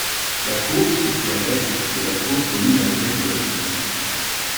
La cour située à l'est de la tour domine la vallée du Lot.